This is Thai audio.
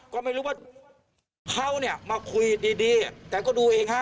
ก็ไม่รู้ว่าเขาเนี่ยมาคุยดีแต่ก็ดูเองฮะ